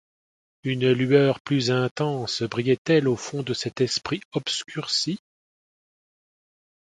Une lueur plus intense brillait-elle au fond de cet esprit obscurci ?